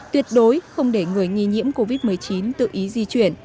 tuyệt đối không để người nghi nhiễm covid một mươi chín tự ý di chuyển